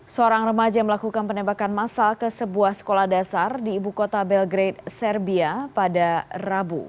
seorang remaja melakukan penembakan masal ke sebuah sekolah dasar di ibu kota belgrade serbia pada rabu